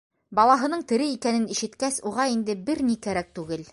Балаһының тере икәнен ишеткәс, уға инде бер ни кәрәк түгел.